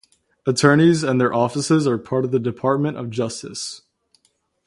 Attorneys and their offices are part of the Department of Justice.